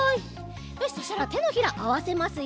よしそしたらてのひらあわせますよ。